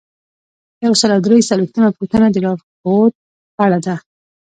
یو سل او درې څلویښتمه پوښتنه د لارښوود په اړه ده.